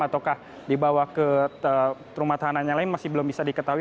ataukah dibawa ke rumah tahanan yang lain masih belum bisa diketahui